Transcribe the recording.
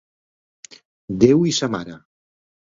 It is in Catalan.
Déu i sa mare.